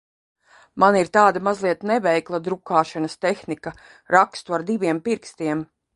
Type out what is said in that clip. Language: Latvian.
Man ir tāda mazliet neveikla drukāšanas tehnika – rakstu ar diviem pirkstiem.